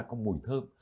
nó có mùi thơm